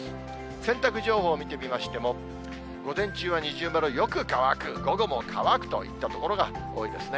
洗濯情報を見てみましても、午前中は二重丸、よく乾く、午後も乾くといった所が多いですね。